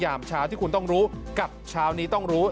ยามเช้าที่คุณต้องรู้กับเช้านี้ต้องรู้